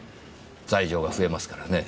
罪状が増えますからね。